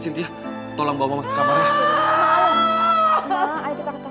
sintia tolong bawa mama ke kamar ya